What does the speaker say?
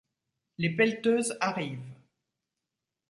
les pelleteuses arrivent